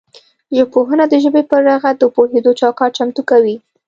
ژبپوهنه د ژبې پر رغښت د پوهیدو چوکاټ چمتو کوي